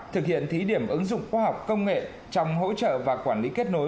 thực hiện thí điểm ứng dụng khoa học công nghệ trong hỗ trợ và quản lý kết nối